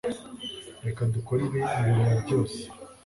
reka dukore ibi mbere ya byose